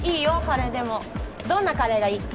カレーでもどんなカレーがいい？